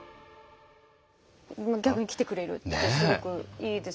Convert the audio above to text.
逆に来てくれるってすごくいいですよね。